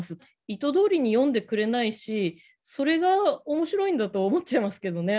意図どおりに読んでくれないしそれが面白いんだと思っちゃいますけどね